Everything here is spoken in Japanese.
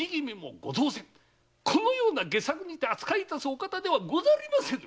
このような戯作にて扱いいたすお方ではございません！